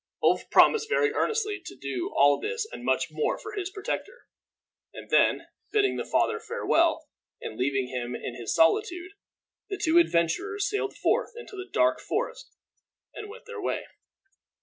Ulf promised very earnestly to do all this and much more for his protector; and then bidding the father farewell, and leaving him in his solitude, the two adventurers sallied forth into the dark forest and went their way.